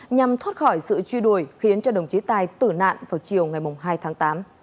nhằm thoát khỏi sự truy đuổi khiến đồng chí tài tử nạn vào chiều hai tháng tám